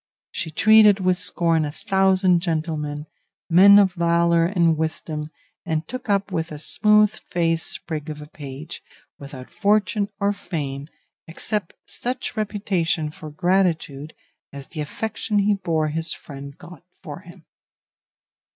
She treated with scorn a thousand gentlemen, men of valour and wisdom, and took up with a smooth faced sprig of a page, without fortune or fame, except such reputation for gratitude as the affection he bore his friend got for him.